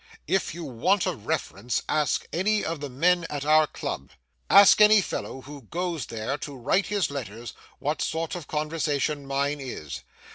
If you want a reference, ask any of the men at our club. Ask any fellow who goes there to write his letters, what sort of conversation mine is.